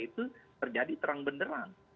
itu terjadi terang benderang